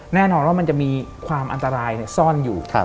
แน่นอนว่ามันจะมีความอันตรายซ่อนอยู่